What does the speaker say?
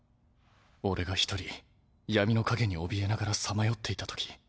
俺が一人闇の影におびえながらさまよっていたとき。